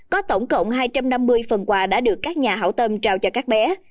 có tổng cộng hai trăm năm mươi phần quà đã được các nhà hảo tâm trao cho các bé